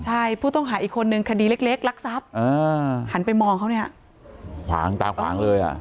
ใช่ผู้ต้องหาอีกคนนึงคดีเล็กเล็กรักทรัพย์อ่าหันไปมองเขาเนี่ยขวางตาขวางเลยอ่ะ